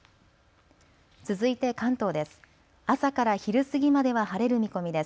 続いて関東です。